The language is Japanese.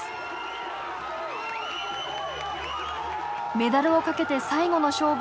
メダルをかけて最後の勝負。